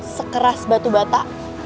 sekeras batu bata